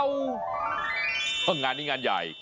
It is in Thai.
ว้าวงานนี้งานใหญ่